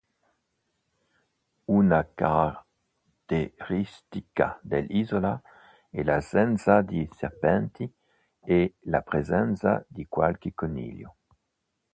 Una caratteristica dell'isola è l'assenza di serpenti e la presenza di qualche coniglio.